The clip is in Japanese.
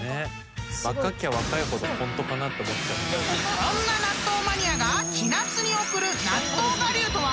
［そんな納豆マニアが千夏に贈る納豆我流とは？］